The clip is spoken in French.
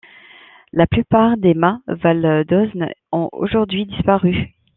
La plupart des mâts Val d'Osne ont aujourd'hui disparu.